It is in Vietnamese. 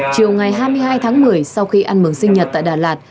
chiều ngày hai mươi hai tháng một mươi sau khi ăn mừng sinh nhật tại đà lạt